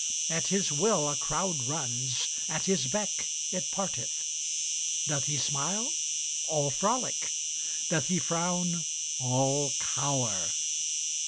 At his will a crowd runs, at his beck it parteth. Doth he smile? all frolic; doth he frown all cower.